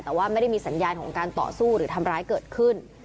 แต่ว่าไม่ได้มีสัญญาณของการต่อสู้หรือทำร้ายเกิดขึ้น